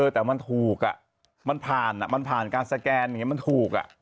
แต่มันถูกมันผ่านการสแกนมันถูก